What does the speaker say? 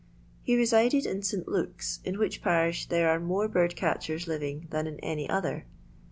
He resided in St. Luke's, in which parish there are more bird catchers living than in any other.